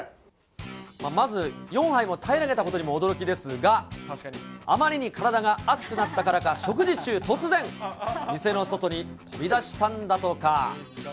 まず４杯も平らげたことにも驚きですが、あまりに体が熱くなったからか、食事中、突然、店の外に飛び出したんだとか。